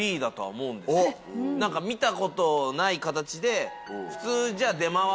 何か見たことない形で。